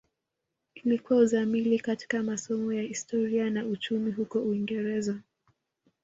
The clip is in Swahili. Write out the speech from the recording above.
Ilikuwa uzamili katika masomo ya Historia na Uchumi huko Uingereza